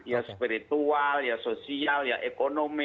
ya spiritual ya sosial ya ekonomi